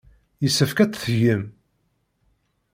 Yessefk ad tt-tgem.